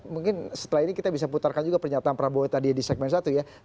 mungkin setelah ini kita bisa putarkan juga pernyataan prabowo tadi di segmen satu ya